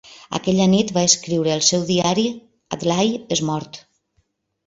Aquella nit va escriure al seu diari, Adlai és mort.